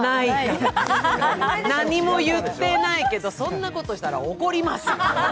何も言ってないけど、そんなことしたら怒ります。